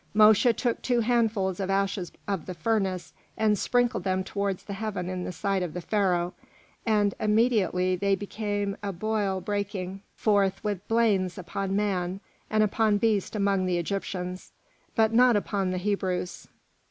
Mosche took two handfuls of ashes of the furnace and sprinkled them toward the heaven in the sight of the Pharaoh, and immediately they became a boil breaking forth with blains upon man and upon beast among the Egyptians, but not upon the Hebrews.